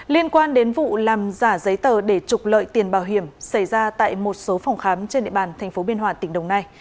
liên quan đến vụ làm giả giấy tờ để trục lợi tiền bảo hiểm xảy ra tại một số phòng khám trên địa bàn tp biên hòa tỉnh đồng nai